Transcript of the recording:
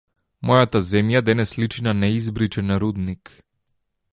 Мојата земја денес личи на неизбричен рудник.